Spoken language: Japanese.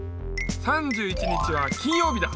３１日は金曜日だ！